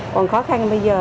còn khó khăn bây giờ